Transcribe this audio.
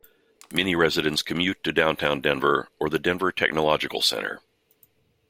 Many residents commute to Downtown Denver or the Denver Technological Center.